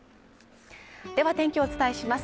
では天気をお伝えします。